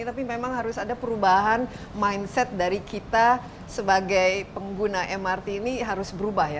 tapi memang harus ada perubahan mindset dari kita sebagai pengguna mrt ini harus berubah ya